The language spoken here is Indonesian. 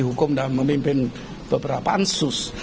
di hukum dan memimpin beberapa ansus